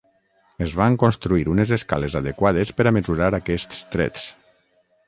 Es van construir unes escales adequades per a mesurar aquests trets.